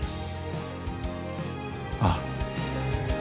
ああ。